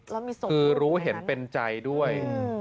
คือรู้เห็นเป็นใจด้วย